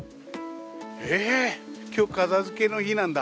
えー、きょう、片づけの日なんだ。